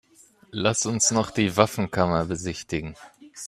Lass uns noch die Waffenkammer besichtigen.